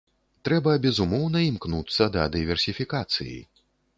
Трэба безумоўна імкнуцца да дыверсіфікацыі.